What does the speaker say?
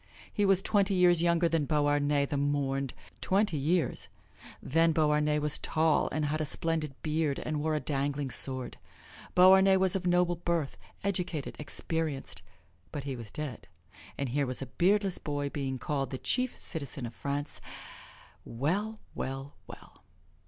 He was twenty years younger than Beauharnais, the mourned twenty years! Then Beauharnais was tall and had a splendid beard and wore a dangling sword. Beauharnais was of noble birth, educated, experienced, but he was dead; and here was a beardless boy being called the Chief Citizen of France. Well, well, well!